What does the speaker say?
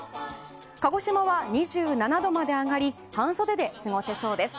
鹿児島は２７度まで上がり半袖で過ごせそうです。